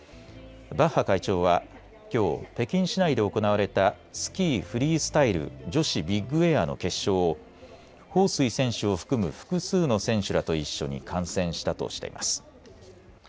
バッハ会長はきょう北京市内で行われたスキーフリースタイル女子ビッグエアの決勝を彭帥選手を含む複数の選手らと一緒に観戦したとしています。